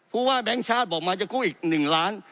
เพราะว่าแบงค์ชาติบอกมันอาจจะกู้อีก๑ล้าน